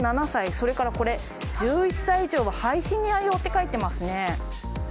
それからこれ１１歳以上はハイシニア用って書いてますね。